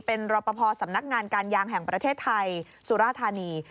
เป็นรอปภสำนักงานการยางแห่งประเทศไทยสุราธานี